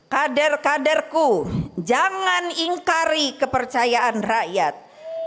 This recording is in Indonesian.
kader kaderku jangan ingkari kepercayaan rakyat